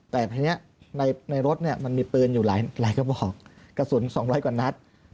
แต่พอนี้ในรถมันมีปืนอยู่หลายก็บอกกระสุน๒๐๐กว่านัตริย์